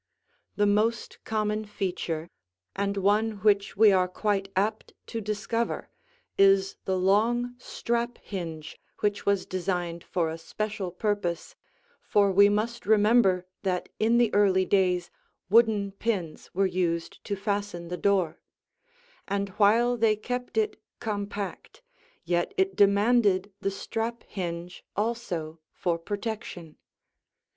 The most common feature, and one which we are quite apt to discover, is the long strap hinge which was designed for a special purpose, for we must remember that in the early days wooden pins were used to fasten the door; and while they kept it compact, yet it demanded the strap hinge also for protection.